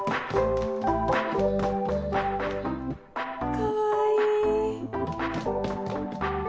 かわいい。